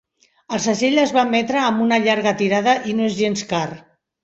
El segell es va emetre amb una llarga tirada i no és gens car.